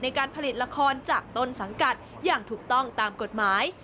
ในการผลิตละครจากต้นสังกัดอย่างถูกต้องตามกฎหมาย